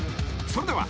それでは。